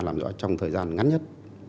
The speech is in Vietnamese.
làm rõ trong thời gian ngắn nhất